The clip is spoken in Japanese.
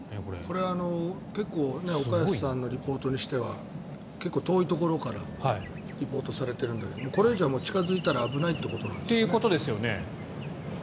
これ、結構岡安さんのリポートにしては結構、遠いところからリポートされているのでこれ以上は近付いたら危ないということなんですよね。ということですよね。